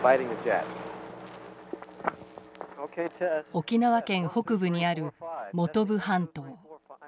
沖縄県北部にある本部半島。